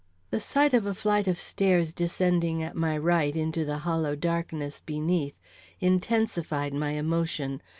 The sight of a flight of stairs descending at my right into the hollow darkness beneath intensified my emotion.